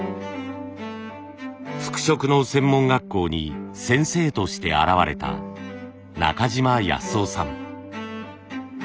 服飾の専門学校に先生として現れた中島安夫さん。